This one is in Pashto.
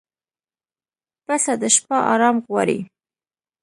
پسه د شپه آرام غواړي.